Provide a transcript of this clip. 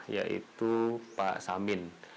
yaitu pak samin